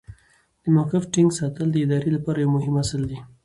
د موقف ټینګ ساتل د ادارې لپاره یو مهم اصل دی.